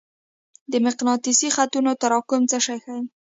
د مقناطیسي خطونو تراکم څه شی ښيي؟